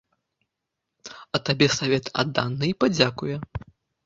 А табе савет аддана і падзякуе.